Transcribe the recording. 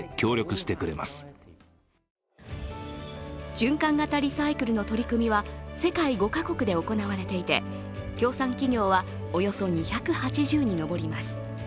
循環型リサイクルの取り組みは世界５か国で行われていて、協賛企業はおよそ２８０に上ります。